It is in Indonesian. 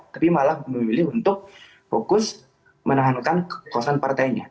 tapi malah memilih untuk fokus menahankan kekuasaan partainya